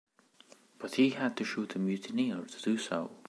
But he had to shoot a mutineer to do so.